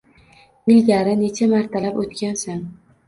Ilgari necha martalab o‘tgansan!